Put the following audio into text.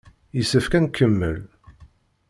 Yessefk ad nkemmel.